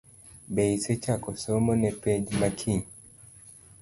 Be isechako somo ne penj ma Kiny?